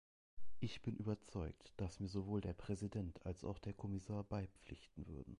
Ich bin überzeugt, dass mir sowohl der Präsident als auch der Kommissar beipflichten würden.